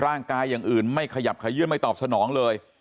อย่างอื่นไม่ขยับขยื่นไม่ตอบสนองเลย